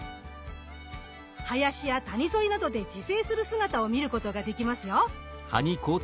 林や谷沿いなどで自生する姿を見ることができますよ。